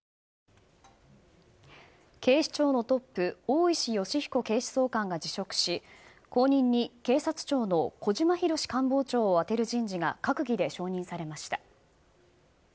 大石吉彦警視総監が辞職し後任に警察庁の小島裕史官房長を充てる人事が閣議で承認されました。